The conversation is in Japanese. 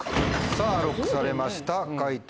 さぁＬＯＣＫされました解答